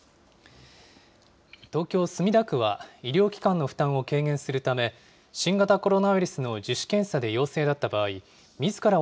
東京・墨田区は医療機関の負担を軽減するため、新型コロナウイルスの自主検査で陽性だった場合、みずから